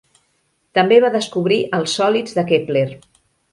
També va descobrir els sòlids de Kepler.